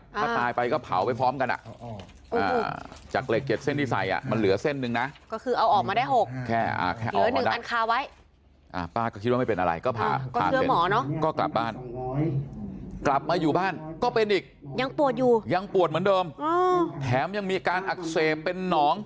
ถ้าตายไปก็เผาไปพร้อมกัน